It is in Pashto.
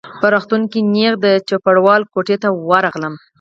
په روغتون کي نیغ د چوپړوال کوټې ته ورغلم.